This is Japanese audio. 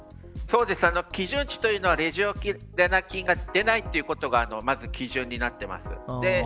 基準値というのはレジオネラ菌が出ないということがまず基準になっています。